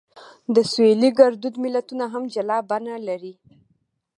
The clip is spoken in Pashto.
د سویلي ګړدود متلونه هم جلا بڼه لري